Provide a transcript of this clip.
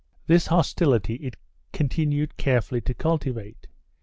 1 This hostility it continued carefully to cultivate.